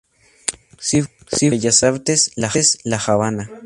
Círculo de Bellas Artes, La Habana.